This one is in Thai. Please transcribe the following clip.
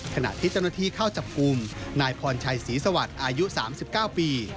ขณะที่เจ้าหน้าที่เข้าจับกลุ่มนายพรชัยศรีสวัสดิ์อายุ๓๙ปี